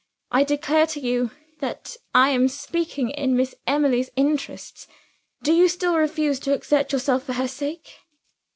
I declare to you that I am speaking in Miss Emily's interests. Do you still refuse to exert yourself for her sake?"